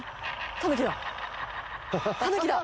たぬきだ！